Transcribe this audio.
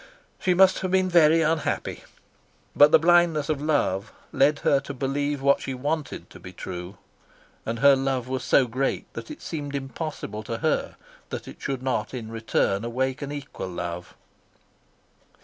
She must have been very unhappy. But the blindness of love led her to believe what she wanted to be true, and her love was so great that it seemed impossible to her that it should not in return awake an equal love.